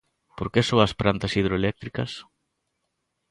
Por que só ás plantas hidroeléctricas?